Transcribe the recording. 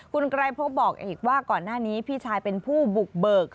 คุณไกรพบบอกอีกว่าก่อนหน้านี้พี่ชายเป็นผู้บุกเบิก